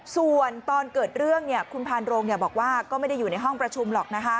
ส่วนตอนเกิดเรื่องคุณพานโรงบอกว่าก็ไม่ได้อยู่ในห้องประชุมหรอก